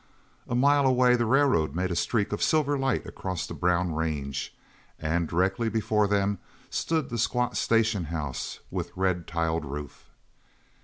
A mile away the railroad made a streak of silver light across the brown range and directly before them stood the squat station house with red tiled roof.